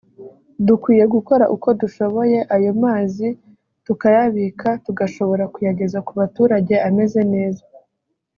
dukwiye gukora uko dushoboye ayo mazi tukayabika tugashobora kuyageza ku baturage ameze neza”